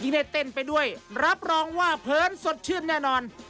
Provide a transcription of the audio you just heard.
ยิ่งได้เต้นไปด้วยรับรองว่าเพิ้ลสดขึ้นแน่นอน